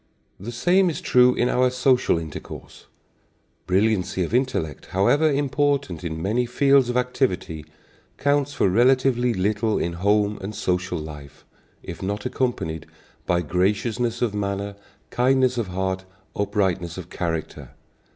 The same is true in our social intercourse. Brilliancy of intellect, however important in many fields of activity, counts for relatively little in home and social life, if not accompanied by graciousness of manner, kindness of heart, uprightness of character.